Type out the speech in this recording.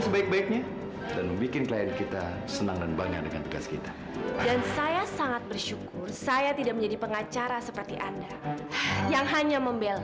sampai jumpa di video selanjutnya